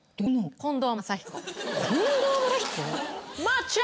近藤真彦？